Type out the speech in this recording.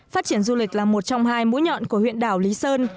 phát triển du lịch là một trong hai mũi nhọn của huyện đảo lý sơn